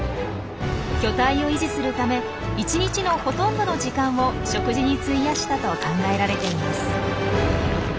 巨体を維持するため１日のほとんどの時間を食事に費やしたと考えられています。